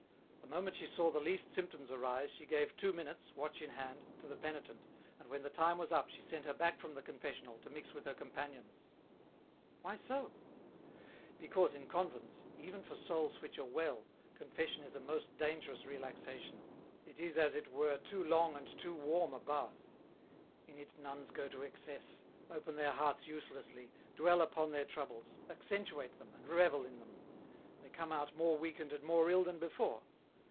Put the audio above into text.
The moment she saw the least symptoms arise she gave two minutes, watch in hand, to the penitent and when the time was up she sent her back from the confessional, to mix with her companions." " Why so ?"" Because in convents, even for souls which are well, confession is a most dangerous relaxation, it is as it were too long and too warm a bath. In it nuns go to excess, open their hearts uselessly, dwell upon their troubles, accentuate them, and revel in them ; they come out more weakened and more ill than before.